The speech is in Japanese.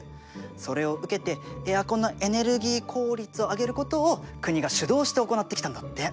それを受けてエアコンのエネルギー効率を上げることを国が主導して行ってきたんだって。